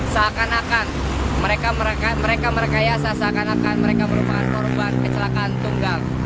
seakan akan mereka merekayasa seakan akan mereka merupakan korban kecelakaan tunggal